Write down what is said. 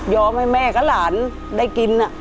ยอมให้แม่กับหลานได้กินอ่ะ